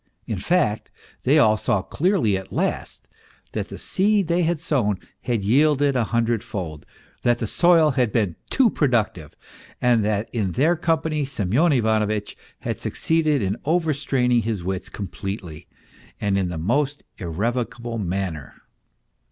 In fact, they all saw clearly at last that the seed they had sown had yielded a hundred fold, that the soil had been too productive, and that in their company, Semyon Ivanovitch had succeeded in overstraining his wits completely and in the most irrevocable manner.